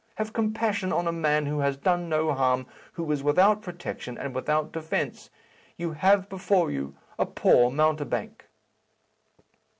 Have compassion on a man who has done no harm, who is without protection and without defence. You have before you a poor mountebank."